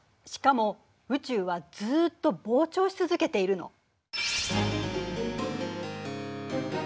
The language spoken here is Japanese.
しかも宇宙はずっと膨張し続けているの。